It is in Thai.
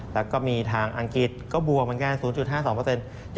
แล้วก็มีทางอังกฤษก็บวกเหมือนกัน๐๕๒เปอร์เซ็นต์